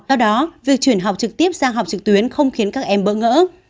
ở đó việc chuyển học trực tiếp sang học trực tuyến không khiến các em bỡ ngỡ